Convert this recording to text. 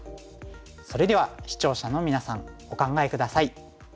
それでは視聴者のみなさんお考え下さい。